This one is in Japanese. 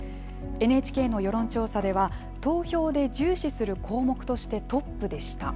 ＮＨＫの世論調査では、投票で重視する項目としてトップでした。